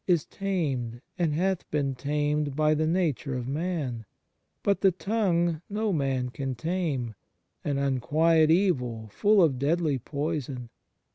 is tamed, and hath been tamed, by the nature of man: but the tongue no man can tame, an unquiet evil, full of deadly poison.